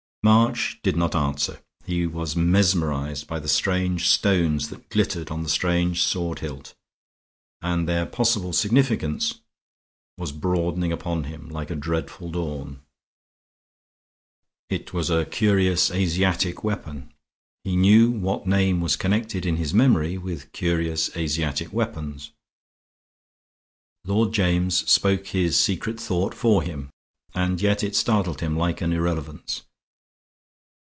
March did not answer; he was mesmerized by the strange stones that glittered on the strange sword hilt; and their possible significance was broadening upon him like a dreadful dawn. It was a curious Asiatic weapon. He knew what name was connected in his memory with curious Asiatic weapons. Lord James spoke his secret thought for him, and yet it startled him like an irrelevance.